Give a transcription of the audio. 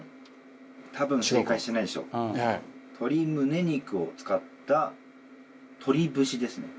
鶏胸肉を使った鶏節ですね。